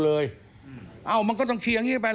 ที่มันก็มีเรื่องที่ดิน